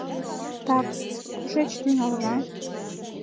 — Так-с, кушеч тӱҥалына?